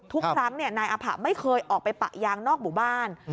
ทุกครั้งนายอภะไม่เคยออกไปปะยางนอกหมู่บ้าน